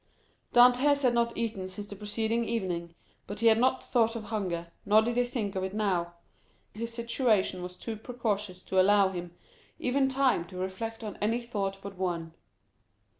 Dantès had not eaten since the preceding evening, but he had not thought of hunger, nor did he think of it now. His situation was too precarious to allow him even time to reflect on any thought but one.